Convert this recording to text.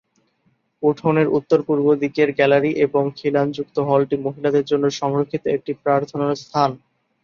উঠোনের উত্তর-পূর্ব দিকের গ্যালারী এবং খিলানযুক্ত হলটি মহিলাদের জন্য সংরক্ষিত একটি প্রার্থনার স্থান।